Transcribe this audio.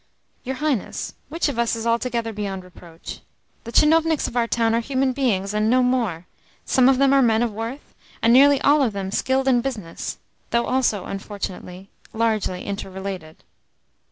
"Your Highness, which of us is altogether beyond reproach? The tchinovniks of our town are human beings, and no more. Some of them are men of worth, and nearly all of them men skilled in business though also, unfortunately, largely inter related."